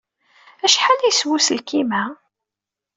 Acḥal ay yeswa uselkim-a?